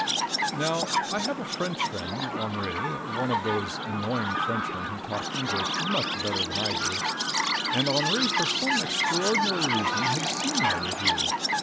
Now I have a French friend, Henri, one of those annoying Frenchmen who talk English much better than I do, and Henri, for some extraordinary reason, had seen my review.